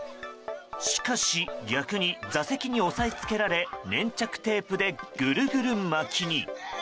しかし逆に座席に押さえつけられ粘着テープでぐるぐる巻きに。